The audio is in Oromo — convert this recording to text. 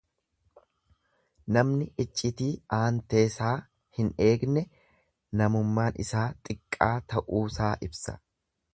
Namni iccitii aanteesaa hin eegne namummaan isaa xiqqaa ta'uusaa ibsa.